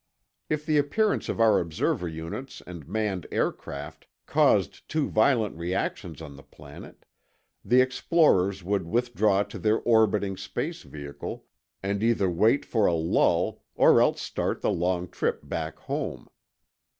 If the appearance of our observer units and manned craft caused too violent reactions on the planet, the explorers would withdraw to their orbiting space vehicle and either wait for a lull or else start the long trip back home.